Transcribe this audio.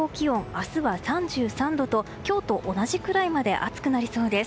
明日は３３度と今日と同じくらいまで暑くなりそうです。